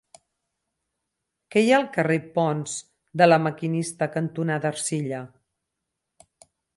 Què hi ha al carrer Ponts de La Maquinista cantonada Ercilla?